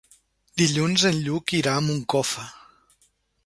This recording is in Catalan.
Dilluns en Lluc irà a Moncofa.